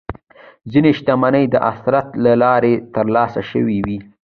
ځینې شتمنۍ د ارث له لارې ترلاسه شوې وي.